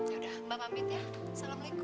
sudah mbak pamit ya assalamualaikum